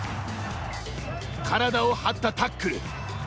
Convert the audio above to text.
体を張ったタックル。